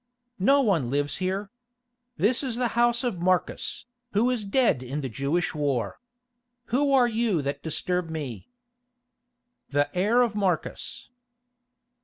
No one lives here. This is the house of Marcus, who is dead in the Jewish war. Who are you that disturb me?" "The heir of Marcus."